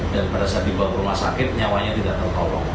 dan pada saat dibawa ke rumah sakit nyawanya tidak tertolong